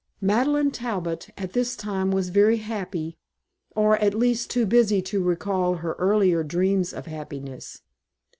Madeleine Talbot at this time was very happy, or, at least, too busy to recall her earlier dreams of happiness.